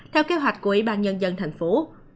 theo kế hoạch của y bàn nhân dân thành phố